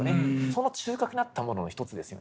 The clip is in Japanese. その中核にあったものの一つですよね。